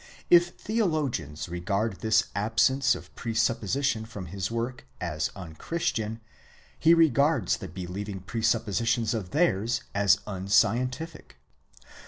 If theologians regard this absence of presupposition from his work, as unchristian: he regards the believing presuppositions of theirs as unscientific.